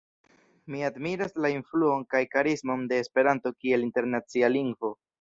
Mi admiras la influon kaj karismon de Esperanto kiel internacia lingvo.